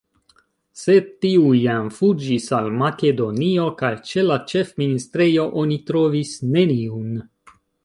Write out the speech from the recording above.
Sed tiu jam fuĝis al Makedonio kaj ĉe la ĉefministrejo oni trovis neniun.